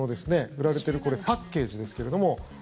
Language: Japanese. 売られてるこれ、パッケージですけれども。